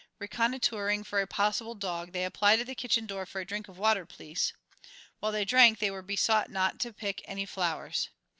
Reconnoitring for a possible dog, they applied at the kitchen door for "a drink of water, please." While they drank they were besought not to pick any flowers.